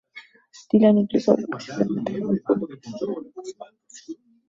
Dylan incluso habla ocasionalmente con el público, ahora una cosa del pasado.